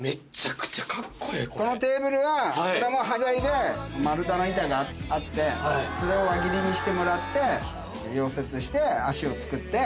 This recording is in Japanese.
このテーブルはこれも端材で丸太の板があってそれを輪切りにしてもらって溶接して脚を作って。